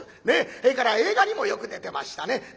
ねっそれから映画にもよく出てましたね。